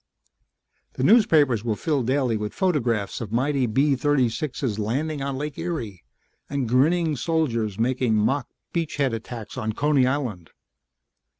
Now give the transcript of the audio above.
_ The newspapers were filled daily with photographs of mighty B 36's landing on Lake Erie, and grinning soldiers making mock beachhead attacks on Coney Island.